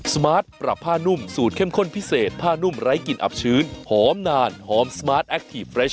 สมาร์ทปรับผ้านุ่มสูตรเข้มข้นพิเศษผ้านุ่มไร้กลิ่นอับชื้นหอมนานหอมสมาร์ทแคคทีฟเรช